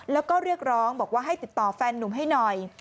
แล้วก็เรียกร้องบอกว่าให้ติดต่อแฟนนุ่มให้หน่อย